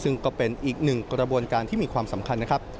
ซึ่งก็เป็นอีกหนึ่งกระบวนการที่มีความสำคัญนะครับ